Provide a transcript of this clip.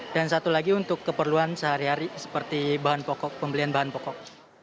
dan satu lagi untuk keperluan sehari hari seperti bahan pokok pembelian bahan pokok